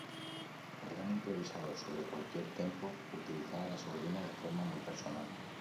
Gran improvisador sobre cualquier tempo, utilizaba la sordina de forma muy personal.